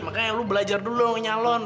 makanya lu belajar dulu nyalon